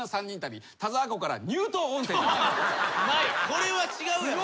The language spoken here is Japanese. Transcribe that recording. これは違うやろ。